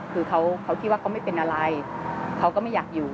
คือเขาคิดว่าเขาไม่เป็นอะไรเขาก็ไม่อยากอยู่